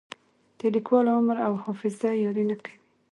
د لیکوال عمر او حافظه یاري نه کوي.